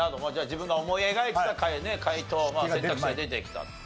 自分が思い描いていた解答選択肢で出てきたと。